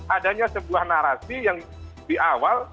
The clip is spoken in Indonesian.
adanya sebuah narasi yang di awal